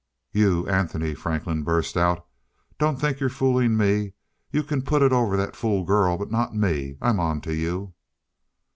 "You, Anthony," Franklin burst out, "don't think you've been fooling me. You can put it over that fool girl, but not me. I'm onto you."